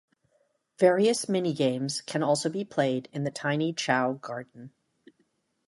Various mini-games can also be played in the Tiny Chao Garden.